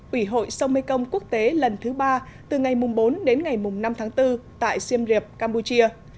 ủy hội sông mekong quốc tế lần thứ ba từ ngày bốn đến ngày năm tháng bốn tại siem reap campuchia